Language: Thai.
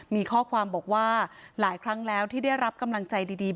มีข้อความบอกว่าหลายครั้งแล้วที่ได้รับกำลังใจดี